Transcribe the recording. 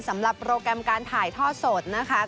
สำหรับโปรแกรมการถ่ายทอดสดนะคะ